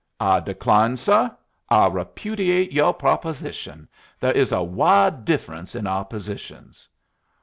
"I decline, suh. I repudiate yoh proposition. There is a wide difference in our positions."